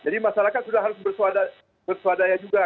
jadi masyarakat sudah harus bersuadaya juga